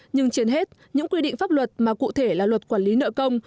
nhưng trên hết những quy định pháp luật mà cụ thể là luật quản lý nợ công